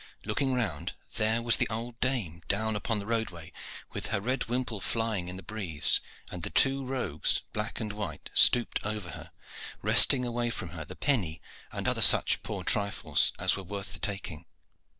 Looking round, there was the old dame down upon the roadway, with her red whimple flying on the breeze, while the two rogues, black and white, stooped over her, wresting away from her the penny and such other poor trifles as were worth the taking.